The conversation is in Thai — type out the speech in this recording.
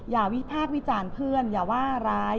อย่าวิภาควิจารณ์เพื่อนอย่าว่าร้าย